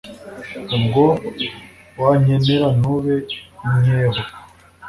ubwo wankenyera ntube inkeho,